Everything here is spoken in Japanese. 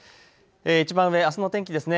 いちばん上、あすの天気ですね。